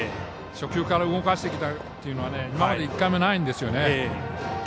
初球から動かしてきたというのは今まで１回もないんですよね。